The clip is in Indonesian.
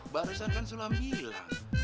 barusan kan sulam bilang